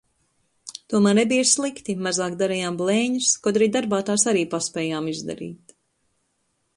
Tomēr nebija slikti, mazāk darījām blēņas, kaut arī darbā tās arī paspējām izdarīt.